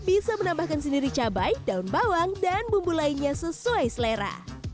bisa menambahkan sendiri cabai daun bawang dan bumbu lainnya sesuai selera